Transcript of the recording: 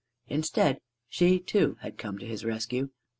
Instead, she too had come to his rescue.